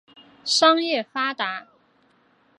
商业发达。